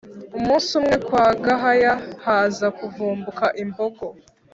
Umunsi umwe kwa Gahaya haza kuvumbuka imbogo